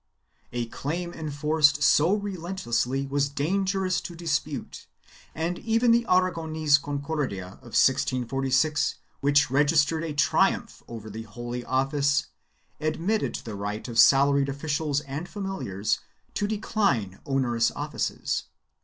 1 A claim enforced so relentlessly was dangerous to dispute and even the Aragonese Concordia of 1646, which registered a triumph over the Holy Office, admitted the right of salaried officials and familiars to decline onerous offices.